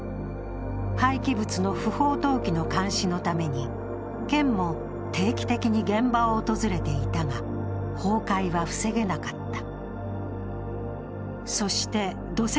廃棄物の不法投棄の監視のために県も定期的に現場を訪れていたが、崩壊は防げなかった。